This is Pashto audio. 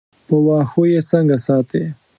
په واښو یې څنګه ساتې.